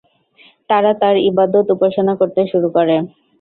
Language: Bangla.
তারা তার ইবাদত-উপাসনা করতে শুরু করে।